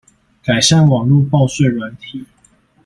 改善網路報稅軟體